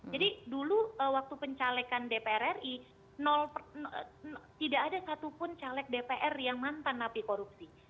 jadi dulu waktu pencalekan dpr ri tidak ada satupun caleg dpr yang mantan nafi korupsi